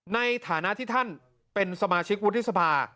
ในฐานะที่ท่านเป็นสมาชิกวุฒิสภา